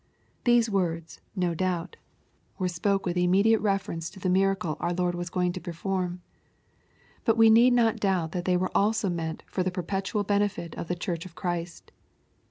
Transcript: — These words, no doubt, were spoken with LUKE, CHAP. vin. . 287 immediate reference to the miracle our Lord was going to perform. But we need not doubt that they were also meant for the perpetual benefit of the Church of Christ.